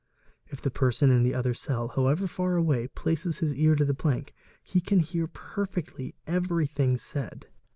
If the person in the other cell, however far away, places his ear to the plank, he can hear perfectly — everything'said.